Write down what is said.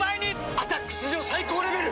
「アタック」史上最高レベル！